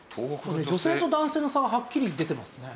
女性と男性の差がはっきり出てますね。